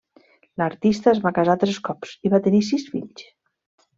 L'artista es va casar tres cops i va tenir sis fills.